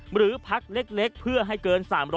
หรือพักเล็กเพื่อให้เกิน๓๐๐